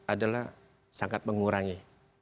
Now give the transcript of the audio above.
adalah sangat mengurangi